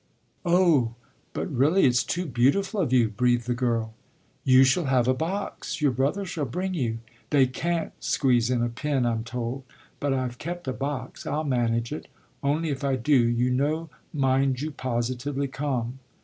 "Oh but really it's too beautiful of you!" breathed the girl. "You shall have a box; your brother shall bring you. They can't squeeze in a pin, I'm told; but I've kept a box, I'll manage it. Only if I do, you know, mind you positively come!"